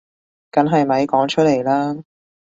梗係咪講出嚟啦